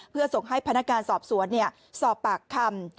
เพื่อส่งให้พนักงานสอบสวนสอบปากคำ